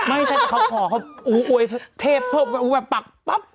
ไม่ใช่แต่เขาขอเขาอุ๊ยเทปแบบปั๊กปั๊บ